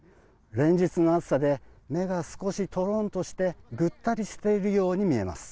連日の暑さで目が少しとろんとしてぐったりしているように見えます。